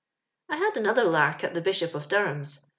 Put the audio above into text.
«* I had another lark at the Bishop of Dor ham's.